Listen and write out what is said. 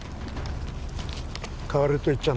代わりと言っちゃ